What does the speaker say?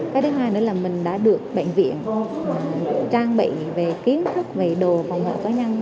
cái thứ hai nữa là mình đã được bệnh viện trang bị về kiến thức về đồ phòng nợ cá nhân